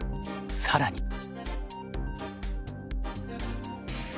更に。